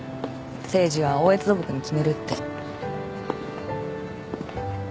誠治は大悦土木に決めるって。